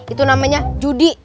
itu namanya judi